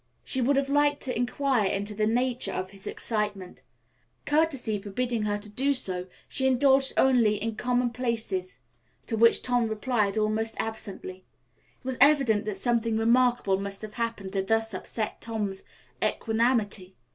She would have liked to inquire into the nature of his excitement. Courtesy forbidding her to do so, she indulged only in commonplaces to which Tom replied almost absently. It was evident that something remarkable must have happened to thus upset Tom's equanimity.